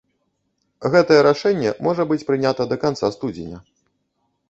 Гэтае рашэнне можа быць прынята да канца студзеня.